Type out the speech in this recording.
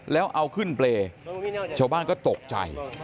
แล้วเอาขึ้นเปรย์ชาวบ้านก็ตกใจ